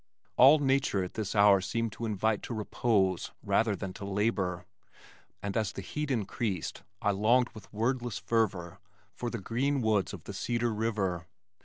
All nature at this hour seemed to invite to repose rather than to labor, and as the heat increased I longed with wordless fervor for the green woods of the Cedar River.